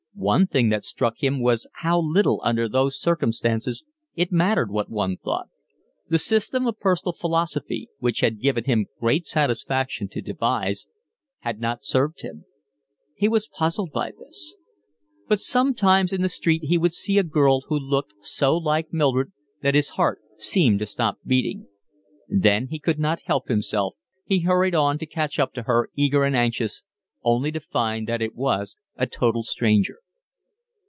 One thing that struck him was how little under those circumstances it mattered what one thought; the system of personal philosophy, which had given him great satisfaction to devise, had not served him. He was puzzled by this. But sometimes in the street he would see a girl who looked so like Mildred that his heart seemed to stop beating. Then he could not help himself, he hurried on to catch her up, eager and anxious, only to find that it was a total stranger.